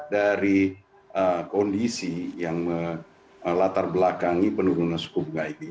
dari kondisi yang melatar belakangi penurunan suku bunga ini